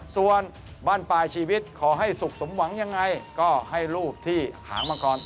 ส่วนบ้านปลายชีวิตขอให้สุขสมหวังยังไงก็ให้ลูกที่หางมาก่อน